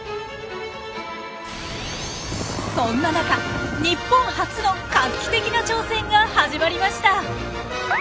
そんな中日本初の画期的な挑戦が始まりました。